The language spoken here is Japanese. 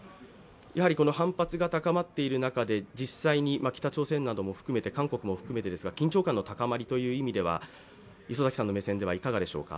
反発が高まっている中で、実際に北朝鮮なども含めて韓国も含めてですが、緊張感の高まりという意味では、礒崎さんの目線ではいかがでしょうか？